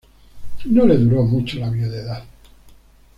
No le duró mucho la viudedad.